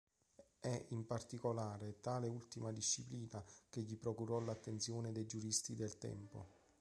È in particolare tale ultima disciplina che gli procurò l'attenzione dei giuristi del tempo.